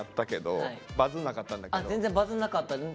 全然バズんなかった。